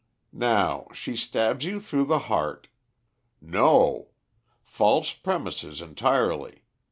Now she stabs you through the heart " "No. False premises entirely.